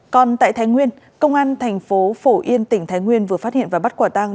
còn tại thái nguyên công an thành phố phổ yên tỉnh thái nguyên vừa phát hiện và bắt quả tăng